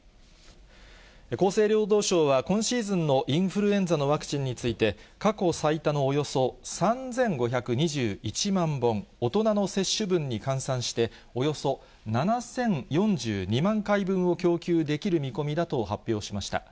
厚生労働省は、今シーズンのインフルエンザのワクチンについて、過去最多のおよそ３５２１万本、大人の接種分に換算して、およそ７０４２万回分を供給できる見込みだと発表しました。